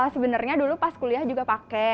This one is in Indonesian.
sebenarnya dulu pas kuliah juga pakai